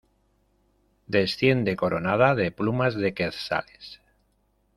Desciende coronada de plumas de quetzales.